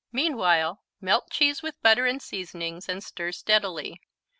Meanwhile, melt cheese with butter and seasonings and stir steadily.